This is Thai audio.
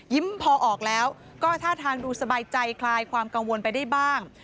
พอออกแล้วก็ท่าทางดูสบายใจคลายความกังวลไปได้บ้าง